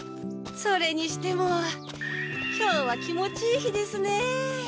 それにしても今日は気持ちいい日ですね。